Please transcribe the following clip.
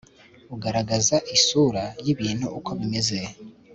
ugaragaza isura yibintu uko bimeze